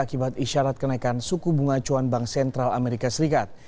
akibat isyarat kenaikan suku bunga acuan bank sentral amerika serikat